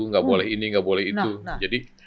nggak boleh ini nggak boleh itu jadi